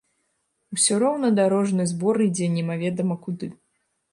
Усё роўна дарожны збор ідзе немаведама куды.